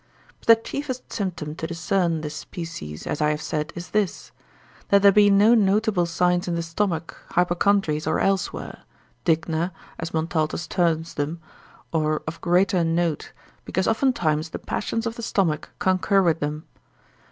But the chiefest symptom to discern this species, as I have said, is this, that there be no notable signs in the stomach, hypochondries, or elsewhere, digna, as Montaltus terms them, or of greater note, because oftentimes the passions of the stomach concur with them.